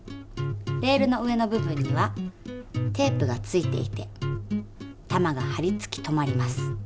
レールの上の部分にはテープが付いていて玉がはり付き止まります。